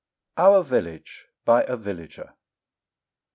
] OUR VILLAGE. BY A VILLAGER.